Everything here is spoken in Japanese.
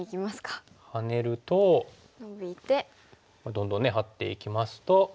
どんどんねハッていきますと。